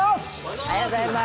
おはようございます。